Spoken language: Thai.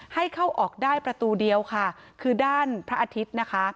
ให้เข้าออกได้ประตูเดียวค่ะคือด้านพระอาทิตย์นะคะ